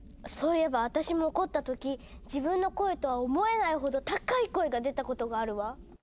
そういえば私も怒った時自分の声とは思えないほど高い声が出たことがあるわ。